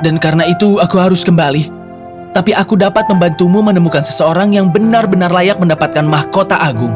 dan karena itu aku harus kembali tapi aku dapat membantumu menemukan seseorang yang benar benar layak mendapatkan mahkota agung